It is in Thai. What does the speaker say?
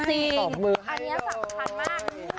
อันนี้สำคัญมาก